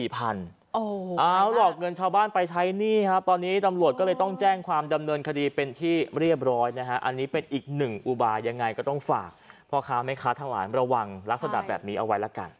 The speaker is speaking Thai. พ่อค้าแม่ค้าทางหวานระวังลักษณะแบบนี้เอาไว้แล้วกัน